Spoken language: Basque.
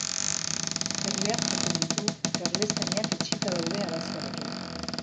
Erleak jaten ditu, eta erlezainak etsita daude arazoarekin.